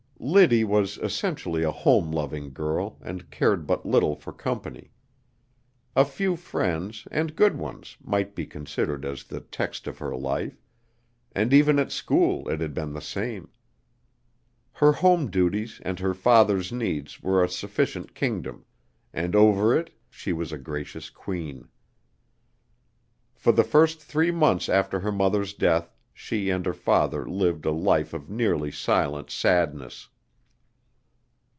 Liddy was essentially a home loving girl and cared but little for company. A few friends, and good ones, might be considered as the text of her life, and even at school it had been the same. Her home duties and her father's needs were a sufficient kingdom, and over it she was a gracious queen. For the first three months after her mother's death she and her father lived a life of nearly silent sadness.